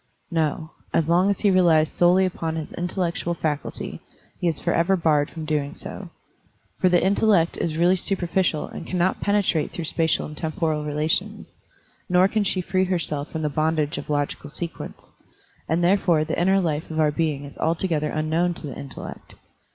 No; as long as he relies solely upon his intellec tual faculty, he is forever barred from so doing. For the intellect is really superficial and cannot penetrate through spatial and temporal relations, nor can she free herself from the bondage of logical sequence; and therefore the inner life of our being is altogether unknown to the intellect.